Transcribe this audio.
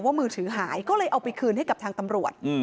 มือถือหายก็เลยเอาไปคืนให้กับทางตำรวจ